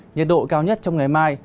nhiệt độ cao nhất trong ngày mai